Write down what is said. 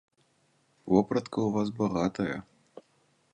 Вопратка ў вас багатая.